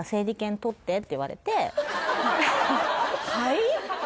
はい？